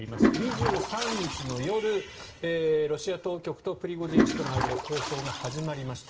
２３日の夜、ロシア当局とプリゴジン氏との間で交渉が始まりました。